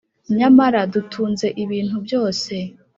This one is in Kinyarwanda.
nyamara dutunze ibintu byose